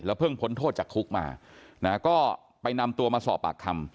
เพิ่งพ้นโทษจากคุกมานะก็ไปนำตัวมาสอบปากคำ